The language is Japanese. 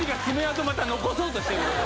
また残そうとしてる。